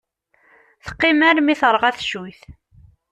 Teqqim armi terɣa teccuyt.